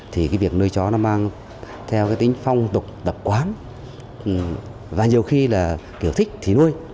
thì cái việc nuôi chó nó mang theo cái tính phong tục tập quán và nhiều khi là kiểu thích thì nuôi